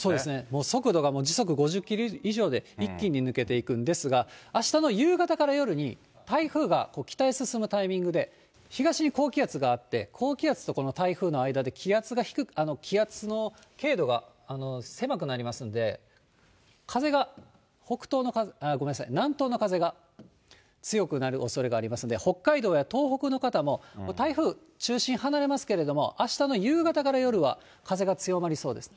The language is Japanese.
もう速度が、時速５０キロ以上で、一気に抜けていくんですが、あしたの夕方から夜に、台風が北へ進むタイミングで、東に高気圧があって、高気圧とこの台風の間で気圧の経度が狭くなりますんで、風が、南東の風が強くなるおそれがありますので、北海道や東北の方も台風、中心離れますけれども、あしたの夕方から夜は風が強まりそうです。